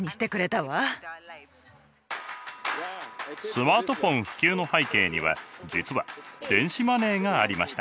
スマートフォン普及の背景には実は電子マネーがありました。